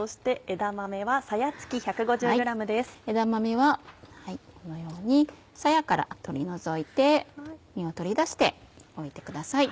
枝豆はこのようにさやから取り除いて実を取り出しておいてください。